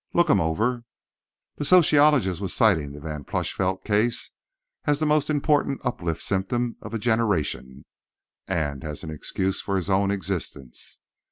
Look 'em over. The sociologist was citing the Van Plushvelt case as the most important "uplift" symptom of a generation, and as an excuse for his own existence.